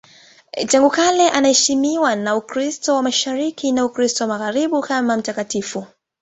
Tangu kale anaheshimiwa na Ukristo wa Mashariki na Ukristo wa Magharibi kama mtakatifu.